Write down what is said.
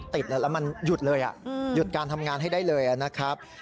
รองเท้าไปติดแล้วมันหยุดเลยอ่ะหยุดการทำงานให้ได้เลยอ่ะนะครับ